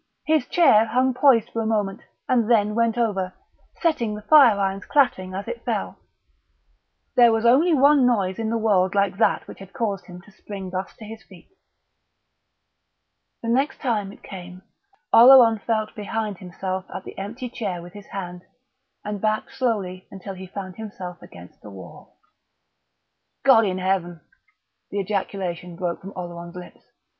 His chair hung poised for a moment, and then went over, setting the fire irons clattering as it fell. There was only one noise in the world like that which had caused him to spring thus to his feet.... The next time it came Oleron felt behind him at the empty air with his hand, and backed slowly until he found himself against the wall. "God in Heaven!" The ejaculation broke from Oleron's lips.